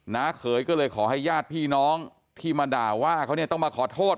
เขยก็เลยขอให้ญาติพี่น้องที่มาด่าว่าเขาเนี่ยต้องมาขอโทษ